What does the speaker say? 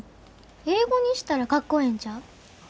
英語にしたらかっこええんちゃう？